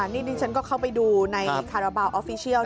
นี่ดิฉันก็เข้าไปดูในคาราบาลออฟฟิเชียล